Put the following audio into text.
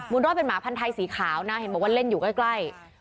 รอดเป็นหมาพันธัยสีขาวนะเห็นบอกว่าเล่นอยู่ใกล้